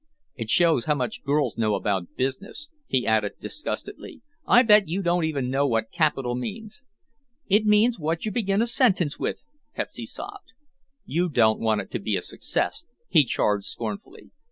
It shows how much girls know about business," he added disgustedly. "I bet you don't even know what capital means." "It means what you begin a sentence with," Pepsy sobbed. "You don't want it to be a success," he charged scornfully.